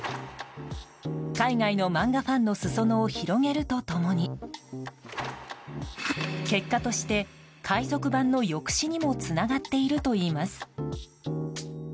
海外の漫画ファンの裾野を広げると共に結果として海賊版の抑止にもつながっているといいます。